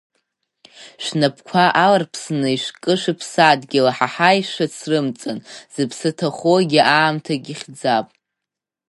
Шәнапқуа аларԥсны ишәкы шәыԥсадгьыл, аҳаҳаи шәацрымҵын, зыԥсы ҭахогьы аамҭак ихьӡап!